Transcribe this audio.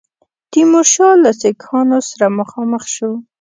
تیمورشاه له سیکهانو سره مخامخ شو.